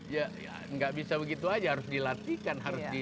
ya nggak bisa begitu saja harus dilatihkan